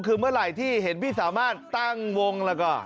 คือเมื่อไหร่ที่เห็นพี่สามารถตั้งวงแล้วก็